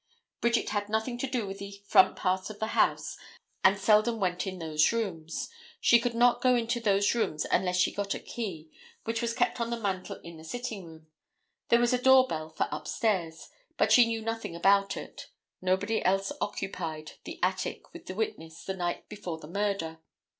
Bridget had nothing to do with the front part of the house and seldom went in those rooms; she could not go into those rooms unless she got a key, which was kept on the mantel in the sitting room; there was a door bell for upstairs, but she knew nothing about it; nobody else occupied the attic with the witness the night before the murder.